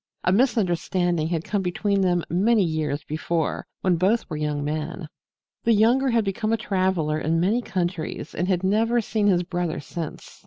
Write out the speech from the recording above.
A misunderstanding had come between them many years before when both were young men. The younger had become a traveler in many countries and had never seen his brother since.